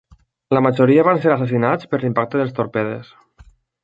La majoria van ser assassinats per l'impacte dels torpedes.